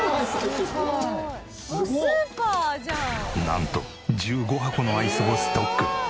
なんと１５箱のアイスをストック！